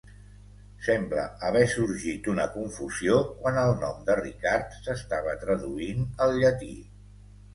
Sembla haver sorgit una confusió quan el nom de Ricard s'estava traduint al llatí.